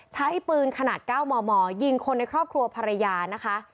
ใช้ปืนขนาด๙มมยิงคนในครอบครัวภรรยานะคะ